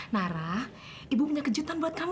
nara ibu punya kejutan buat kamu